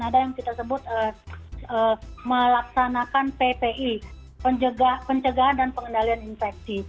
ada yang kita sebut melaksanakan ppi pencegahan dan pengendalian infeksi